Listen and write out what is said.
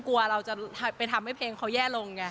กลัวเราจะไปทำให้เพลงเขาแย่ลงไง